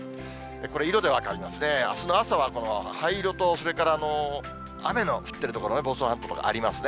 これ、色で分かりますね、あすの朝はこの灰色と、それから雨の降ってる所ね、房総半島、ありますね。